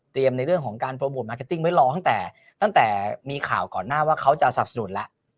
เตรียมในเรื่องของการโปรบอุปกรณ์ไม่รอตั้งแต่มีข่าวก่อนหน้าว่าเขาจะซับสนุนแล้ว